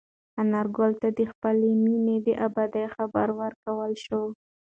انارګل ته د خپلې مېنې د ابادۍ خبر ورکړل شو.